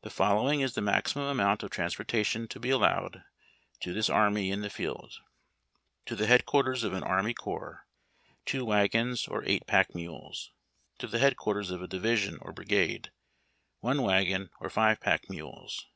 The following is the maximum amount of transportation to be allowed to this Army in the field : To tlie Head Quarters of an Army Corps, 2 wagons or 8 pack mules. To the Head Quarters of a Division or Brigade, 1 wagon or 5 pack mules.